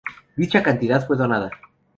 Dicha cantidad fue donada.